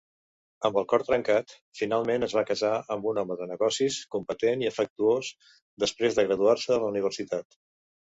Amb el cor trencat, finalment es va casar amb un home de negocis competent i afectuós després de graduar-se a la universitat.